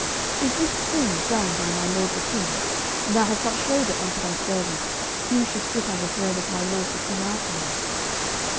11:001:027 Is this thing done by my lord the king, and thou hast not shewed it unto thy servant, who should sit on the throne of my lord the king after him?